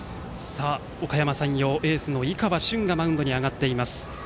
おかやま山陽エースの井川駿がマウンドに上がっています。